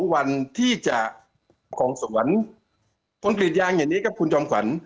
วันที่จะของสวนคนกรีดยางอย่างนี้ครับคุณจอมขวัญ